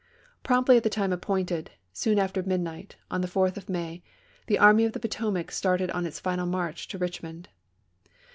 Promptly at the time appointed, soon after mid night, on the 4th of May, the Army of the Potomac ^^^ started on its final march to Richmond.